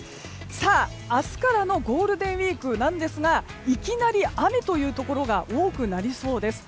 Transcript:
明日からのゴールデンウィークなんですがいきなり雨というところが多くなりそうです。